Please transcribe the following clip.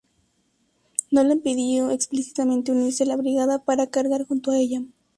Nolan pidió explícitamente unirse a la Brigada para cargar junto a ella.